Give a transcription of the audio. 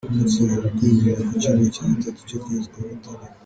Uyu munsi waje kwimurirwa ku Cyumweru cya gatatu cy’ ukwezi kwa Gatandatu.